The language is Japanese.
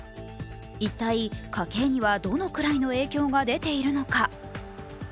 一体、家計にはどのくらいの影響が出ているのか。